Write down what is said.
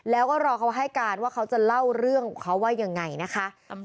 แล้วก็รอเขาให้การว่าเขาจะเล่าเรื่องของเขาว่ายังไงนะคะ